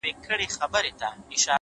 هره ورځ د نوي اثر پرېښودلو چانس لري’